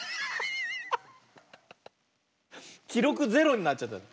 きろくゼロになっちゃった。